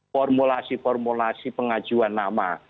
formulasi formulasi pengajuan nama